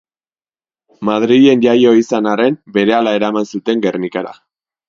Madrilen jaioa izan arren, berehala eraman zuten Gernikara.